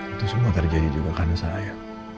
itu semua terjadi juga karena saya